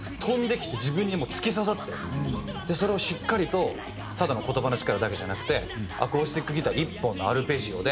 それをしっかりとただの言葉の力だけじゃなくてアコースティックギター１本のアルペジオで。